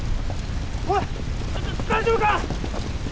おい大丈夫か！